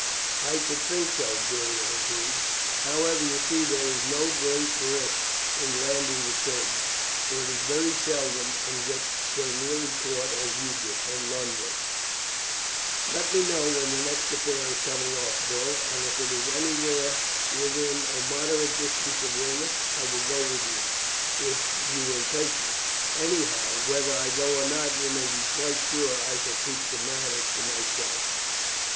"I should think so," Julian agreed. "However, you see there is no great risk in landing the kegs, for it is very seldom you get so nearly caught as you did at Lulworth. Let me know when the next affair is coming off, Bill, and if it is anywhere within a moderate distance of Weymouth I will go with you if you will take me. Anyhow, whether I go or not, you may be quite sure that I shall keep the matter to myself."